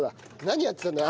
何やってたんだ？